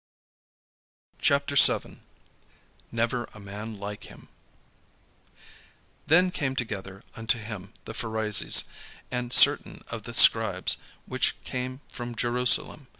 CHAPTER VII NEVER A MAN LIKE HIM Then came together unto him the Pharisees, and certain of the scribes, which came from Jerusalem.